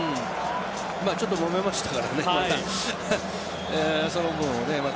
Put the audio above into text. ちょっともめましたからねまた。